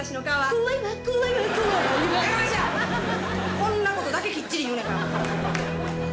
こんなことだけきっちり言うねんから。